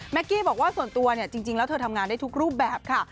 กี้บอกว่าส่วนตัวเนี่ยจริงแล้วเธอทำงานได้ทุกรูปแบบค่ะ